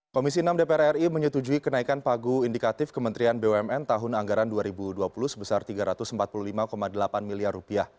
komisi enam dpr ri menyetujui kenaikan pagu indikatif kementerian bumn tahun anggaran dua ribu dua puluh sebesar rp tiga ratus empat puluh lima delapan miliar